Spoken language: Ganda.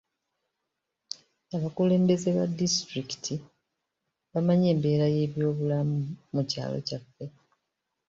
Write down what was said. Abakulembeze ba disitulikiti bamanyi embeera y'ebyobulamu mu kyalo kyaffe.